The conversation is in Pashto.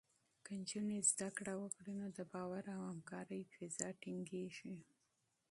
که نجونې زده کړه وکړي، نو د باور او همکارۍ فضا ټینګېږي.